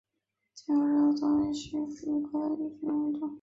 天纽珍灯鱼为辐鳍鱼纲灯笼鱼目灯笼鱼科的其中一种。